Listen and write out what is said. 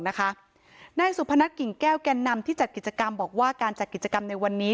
นายสุพนัทกิ่งแก้วแก่นำที่จัดกิจกรรมบอกว่าการจัดกิจกรรมในวันนี้